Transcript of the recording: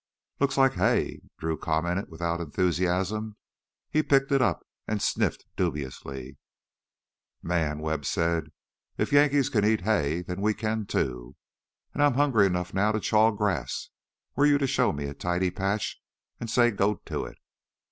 "Looks like hay," Drew commented without enthusiasm. He picked it up and sniffed dubiously. "Man," Webb said, "if the Yankees can eat hay, then we can too. An' I'm hungry 'nough to chaw grass, were you to show me a tidy patch an' say go to it!